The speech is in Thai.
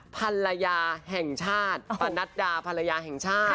ภรรยาแห่งชาติปะนัดดาภรรยาแห่งชาติ